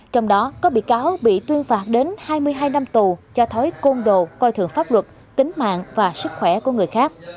trong đó có bị cáo bị tuyên phạt đến hai mươi hai năm tù cho thói côn đồ coi thường pháp luật tính mạng và sức khỏe của người khác